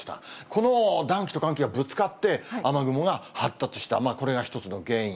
この暖気と寒気がぶつかって、雨雲が発達した、これが一つの原因。